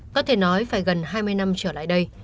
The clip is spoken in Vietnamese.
có thể nói phải gần hai mươi năm trở lại đây